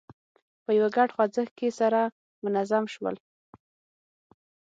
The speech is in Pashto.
په یوه ګډ خوځښت کې سره منظم شول.